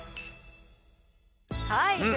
はい。